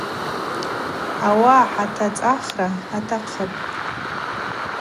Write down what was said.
Ауаъа хӏатацахра атахъыпӏ.